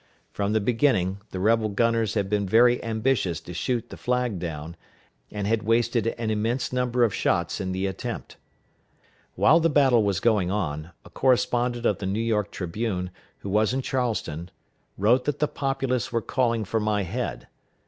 From the beginning, the rebel gunners had been very ambitious to shoot the flag down, and had wasted an immense number of shots in the attempt. While the battle was going on, a correspondent of the New York Tribune, who was in Charleston, wrote that the populace were calling for my head.